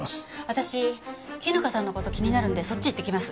私絹香さんの事が気になるのでそっち行ってきます。